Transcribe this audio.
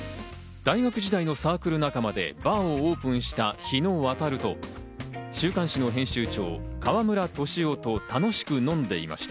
大学時代のサークル仲間でバーをオープンした日野渉と、週刊誌の編集長・河村俊夫と楽しく飲んでいました。